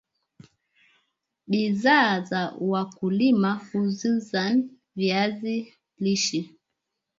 bidhaa za wakulima hususan viazi lishe